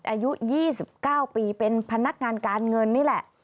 อายุ๒๙ปีเป็นพนักงานการเงินนี่แหละ